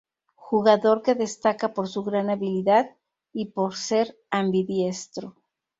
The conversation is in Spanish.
Jugador que destaca por su gran habilidad y por ser ambidiestro.